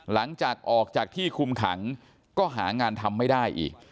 หลังจากออกจากที่คุมขังก็หางานทำไม่ได้อีก